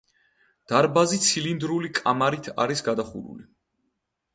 დარბაზი ცილინდრული კამარით არის გადახურული.